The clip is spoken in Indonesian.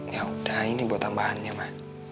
yaudah ini buat tambahannya ma